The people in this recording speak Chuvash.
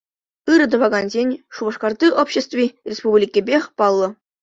Ырӑ тӑвакансен Шупашкарти обществи республикипех паллӑ.